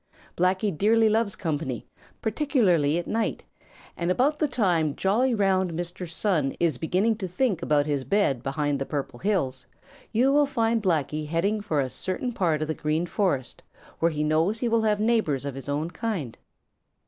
Blacky dearly loves company, particularly at night, and about the time jolly, round, red Mr. Sun is beginning to think about his bed behind the Purple Hills, you will find Blacky heading for a certain part of the Green Forest where he knows he will have neighbors of his own kind.